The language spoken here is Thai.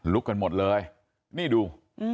กันหมดเลยนี่ดู